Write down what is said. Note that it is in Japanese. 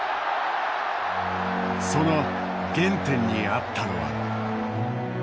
その原点にあったのは。